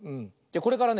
これからね